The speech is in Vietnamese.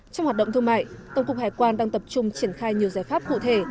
trong hoạt động thương mại tổng cục hải quan đang tập trung triển khai nhiều giải pháp cụ thể